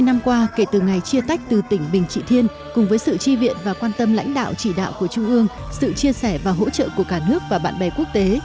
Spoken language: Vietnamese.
bảy mươi năm qua kể từ ngày chia tách từ tỉnh bình trị thiên cùng với sự chi viện và quan tâm lãnh đạo chỉ đạo của trung ương sự chia sẻ và hỗ trợ của cả nước và bạn bè quốc tế